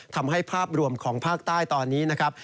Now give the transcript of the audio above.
ทำให้ภาพรวมของภาคใต้ตอนนี้นะครับ